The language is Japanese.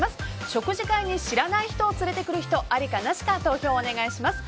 食事会に知らない人を連れてくる人、ありかなしか投票をお願いします。